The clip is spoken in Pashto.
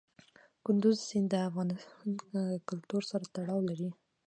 کندز سیند د افغان کلتور سره تړاو لري.